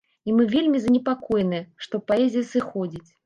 І мы вельмі занепакоеныя, што паэзія сыходзіць.